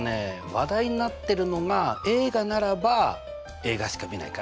話題になってるのが映画ならば映画しかみないかな。